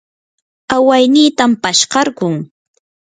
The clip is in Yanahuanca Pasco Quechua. awaynitam paskarquu.